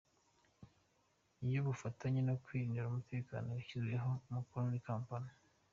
y‟ubufatanye mu kwirindira umutekano yashyiriweho umukono i Kampala,